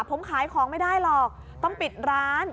ผมขายของไม่ได้หรอกต้องปิดร้าน